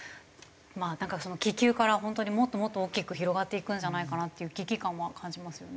まあ気球から本当にもっともっと大きく広がっていくんじゃないかなっていう危機感は感じますよね。